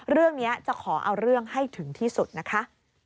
เรื่องนี้จะขอเอาเรื่องให้ถึงที่สุดนะคะ